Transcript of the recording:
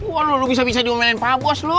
waduh lu bisa bisa diomelin pabos lu